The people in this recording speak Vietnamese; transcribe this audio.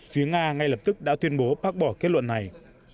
phía nga ngay lập tức đã tuyên bố bác bỏ kết luận này